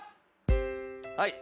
はい。